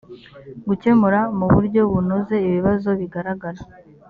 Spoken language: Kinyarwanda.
gukemura mu buryo bunoze ibibazo bigaragara